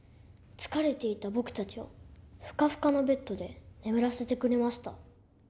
疲れていた僕たちをふかふかのベッドで眠らせてくれました。